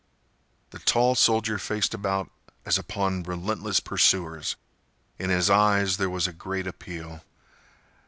The tall soldier faced about as upon relentless pursuers. In his eyes there was a great appeal.